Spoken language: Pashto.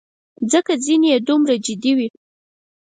ځکه ځینې یې دومره جدي وې.